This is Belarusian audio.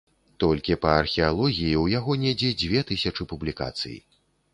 Толькі па археалогіі у яго недзе дзве тысячы публікацый.